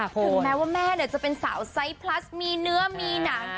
ถึงแม้ว่าแม่จะเป็นสาวไซส์พลัสมีเนื้อมีหนัง